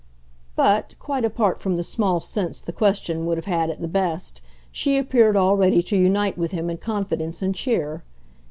but, quite apart from the small sense the question would have had at the best, she appeared already to unite with him in confidence and cheer.